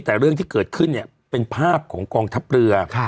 แต่เรื่องที่เกิดขึ้นเนี่ยเป็นภาพของกองทัพเรือ